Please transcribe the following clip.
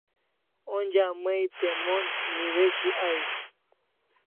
Onja Mai te mon newishi ais